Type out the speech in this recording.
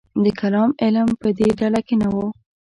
د کلام علم په دې ډله کې نه و.